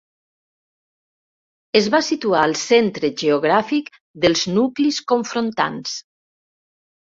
Es va situar al centre geogràfic dels nuclis confrontants.